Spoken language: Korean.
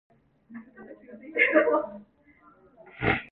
그는 담배를 빨아 연기를 후 뿜었다.